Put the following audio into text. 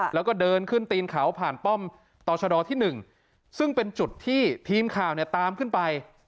แล้วก็เดินขึ้นตีนเขาผ่านป้อมต่อชะดอที่๑ซึ่งเป็นจุดที่ทีมข่าวเนี่ยตามขึ้นไป